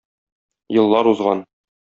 Еллар узган.